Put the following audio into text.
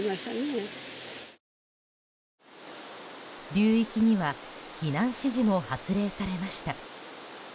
流域には避難指示も発令されました。